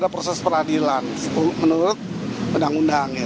proses peradilan menurut pendang undangnya